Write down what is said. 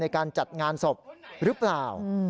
ในการจัดงานศพหรือเปล่า